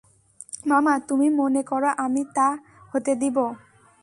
মামা, তুমি মনে করো আমি তা হতে দিব?